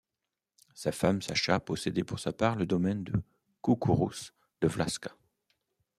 Sa femme Sacha possédait pour sa part le domaine de Coucourouz de Vlașca.